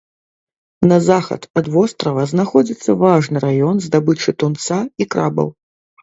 На захад ад вострава знаходзіцца важны раён здабычы тунца і крабаў.